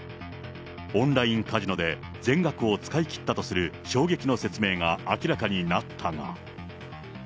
オンラインカジノで全額を使い切ったとする衝撃の説明が明らかになったが。